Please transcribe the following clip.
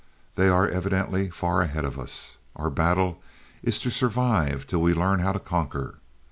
They are evidently far ahead of us. Our battle is to survive till we learn how to conquer.